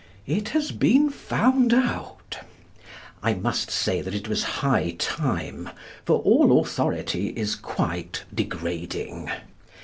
It has been found out. I must say that it was high time, for all authority is quite degrading.